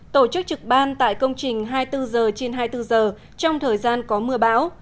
hai tổ chức trực ban tại công trình hai mươi bốn h trên hai mươi bốn h trong thời gian có mưa bão